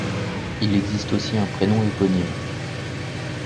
Il existe aussi un prénom éponyme.